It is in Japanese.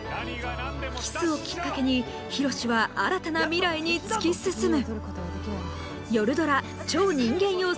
キスをきっかけに、ヒロシは新たな未来に突き進む。